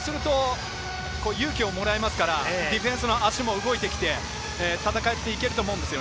そうすると勇気をもらえますから、ディフェンスの足も動いてきて戦っていけると思うんです。